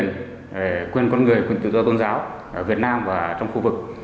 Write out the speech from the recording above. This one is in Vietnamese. mà có chức năng theo dõi vấn đề nhân quyền quyền con người quyền tự do tôn giáo ở việt nam và trong khu vực